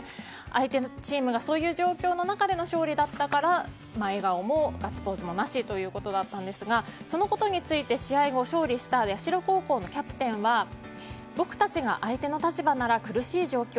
相手のチームがそういう状況の中での勝利だったから笑顔もガッツポーズもなしということだったんですがそのことについて、試合後勝利した社高校のキャプテンは僕たちが相手の立場なら苦しい状況。